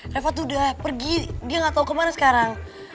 reva tuh udah pergi dia gak tau kemana sekarang